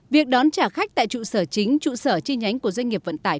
việc đón trả khách tại trụ sở chính trụ sở chi nhánh của doanh nghiệp vận tải